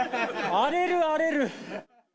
荒れる、荒れる。